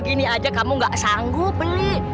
gini aja kamu gak sanggup beli